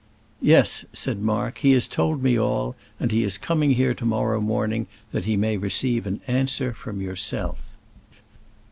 "Yes," said Mark, "he has told me all, and he is coming here to morrow morning that he may receive an answer from yourself."